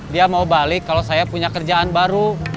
dia mau balik kalau saya punya kerjaan baru